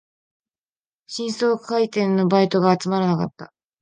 新装開店のバイトが集まらなかった